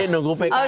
oke nunggu pks lagi